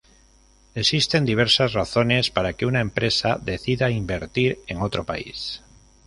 Existen diversas razones para que una empresa decida invertir en otro país.